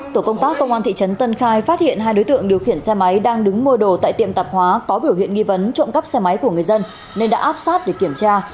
tổ công tác công an thị trấn tân khai phát hiện hai đối tượng điều khiển xe máy đang đứng mua đồ tại tiệm tạp hóa có biểu hiện nghi vấn trộm cắp xe máy của người dân nên đã áp sát để kiểm tra